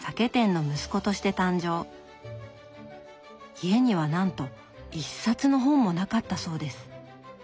家にはなんと一冊の本もなかったそうです。